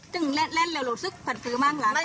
จึงเล่นแล้วหรือซึกผ่านซื้อบ้างหลังกาย